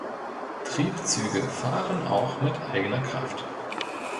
Triebzüge fahren auch mit eigener Kraft.